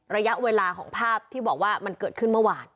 ระยะเวลาของภาพที่บอกว่ามันเกิดขึ้นเมื่อวาน